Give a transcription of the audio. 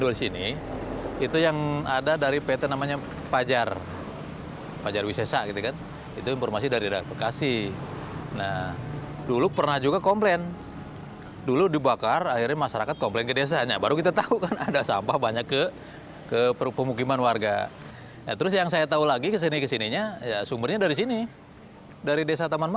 dan juga dari beberapa perusahaan yang telah diperlukan untuk memulai perusahaan